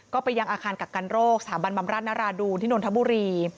ก็ไปยังอาคารกักกันโรคสถาบันบำราชนราดูนที่นนทบุรี